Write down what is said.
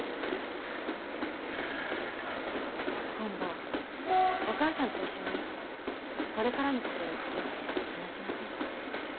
今度お母さんと一緒にこれからの事について話しませんか？